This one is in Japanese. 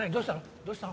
どうしたの？